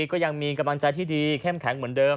ก็ยังมีกำลังใจที่ดีเข้มแข็งเหมือนเดิม